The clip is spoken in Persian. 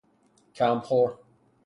کمخور